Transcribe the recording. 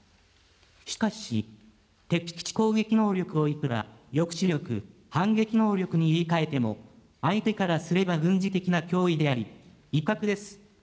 しかし、敵基地攻撃能力をいくら抑止力、反撃能力に言いかえても、相手からすれば軍事的な脅威であり、威嚇です。